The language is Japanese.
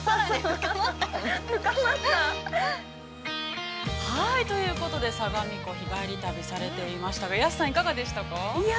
深まった◆ということで、相模湖、日帰り旅されてましたけど、安さん、いかがでしたか。